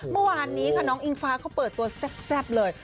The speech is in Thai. เมื่อวานนี้ค่ะน้องอิงฟ้าเขาเปิดตัวแซ่บเลย